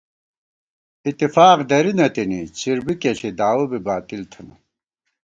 اِتِفاق درِی نہ تِنی، څِر بِکےݪی داوَہ بی باطل تھنہ